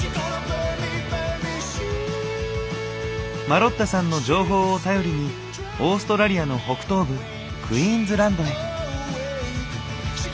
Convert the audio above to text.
マロッタさんの情報を頼りにオーストラリアの北東部クイーンズランドへ。